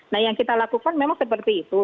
nah yang kita lakukan memang seperti itu